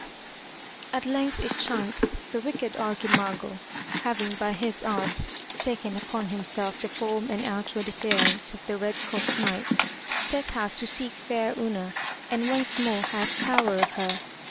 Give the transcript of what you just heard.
At length it chanced the wicked Archimago, having by his arts taken upon himself the form and outward appearance of the Red Cross Knight, set out to seek fair Una and once more have power of her.